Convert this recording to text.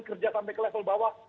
kerja sampai ke level bawah